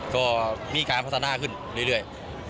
ก็มีการพัฒนาขึ้นเรื่อย